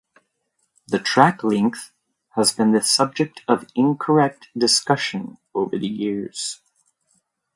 The track length has been the subject of incorrect discussion over the years.